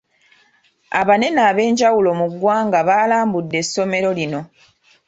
Abanene ab'enjawulo mu ggwanga baalambudde essomero lino.